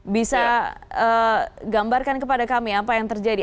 bisa gambarkan kepada kami apa yang terjadi